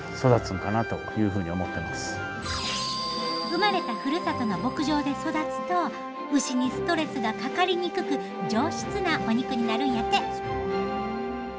生まれたふるさとの牧場で育つと牛にストレスがかかりにくく上質なお肉になるんやて！